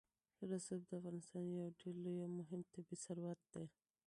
رسوب د افغانستان یو ډېر لوی او مهم طبعي ثروت دی.